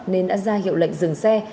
nên đã ra hiệu lệnh dừng xe